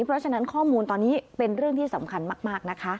เพราะฉะนั้นข้อมูลตอนนี้เป็นเรื่องที่สำคัญมากนะคะ